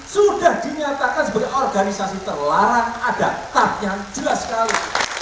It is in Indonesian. sudah dinyatakan sebagai organisasi terlarang adakah yang jelas sekali